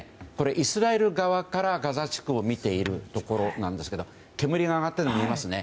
イスラエル側からガザ地区を見ているところなんですけど煙が上がっているのが見えますね。